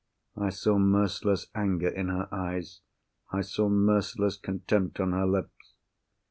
I saw merciless anger in her eyes; I saw merciless contempt on her lips.